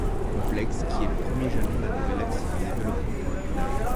Complexe qui est le premier jalon d'un nouvel axe de développement pour le village.